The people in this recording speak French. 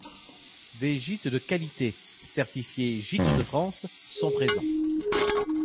Des gites de qualité, certifiés gites de France.sont présents.